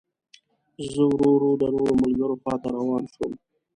زه ورو ورو د نورو ملګرو خوا ته روان شوم.